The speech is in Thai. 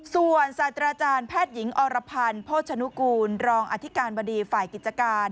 ส่วนสัตว์อาจารย์แพทยิงอรพันธ์โภชนุกูลรองอธิการบริษัทธิกิจการ